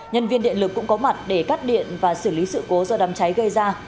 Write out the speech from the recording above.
nhân viên điện lực cũng có mặt để cắt điện và xử lý sự cố do đám cháy gây ra